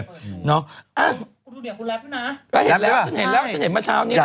เอาฉันเห็นฉันเห็นมาเช้านี้